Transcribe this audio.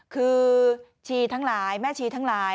คือชีทั้งหลายแม่ชีทั้งหลาย